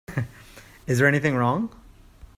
Is there anything wrong?